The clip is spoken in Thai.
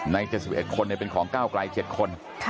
ใน๕๑คนเป็นของเก้าไกล๗คน